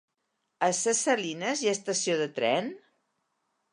A Ses Salines hi ha estació de tren?